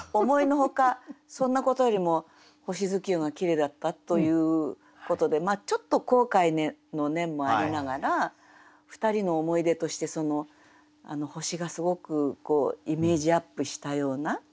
のほかそんなことよりも星月夜がきれいだったということでちょっと後悔の念もありながら２人の思い出として星がすごくイメージアップしたような。